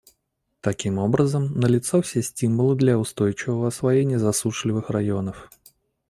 Таким образом, налицо все стимулы для устойчивого освоения засушливых районов.